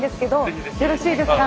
よろしいですか？